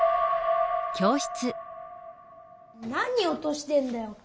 何おとしてんだよ。